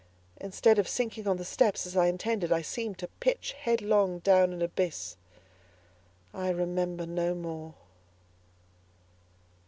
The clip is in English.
Instead of sinking on the steps as I intended, I seemed to pitch headlong down an abyss. I remember no more.